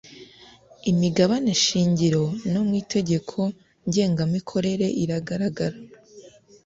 imigabane shingiro no mu itegeko ngengamikorere iragaragara